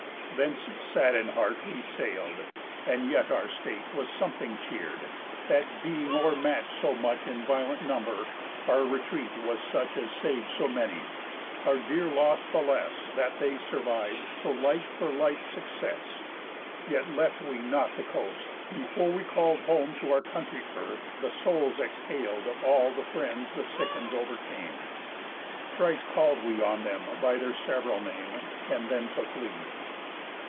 Thence sad in heart we sail'd; and yet our state Was something cheer'd, that (being o'er match'd so much In violent number) our retreat was such As sav'd so many. Our dear loss the less, That they surviv'd, so like for like success. Yet left we not the coast, before we call'd Home to our country earth the souls exhal'd Of all the friends the Cicons overcame. Thrice call'd we on them by their sev'ral name, And then took leave.